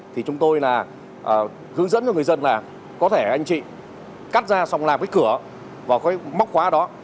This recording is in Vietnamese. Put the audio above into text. thì chúng tôi là hướng dẫn cho người dân là có thể anh chị cắt ra xong làm cái cửa vào cái móc khóa đó